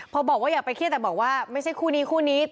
พอบอกว่าอย่าไปเครียดแต่บอกว่าไม่ใช่คู่นี้คู่นี้